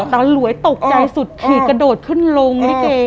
ตาหลวยตกใจสุดขืดกระโดดขึ้นลง